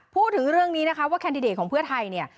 พูดถึงเรื่องนี้นะคะว่าแคนดิเดตของเพื่อไทยเนี่ย